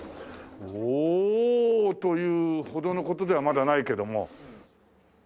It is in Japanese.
おお！というほどの事ではまだないけども素敵な。